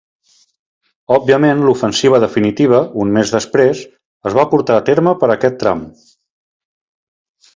Òbviament l'ofensiva definitiva, un mes després, es va portar a terme per aquest tram.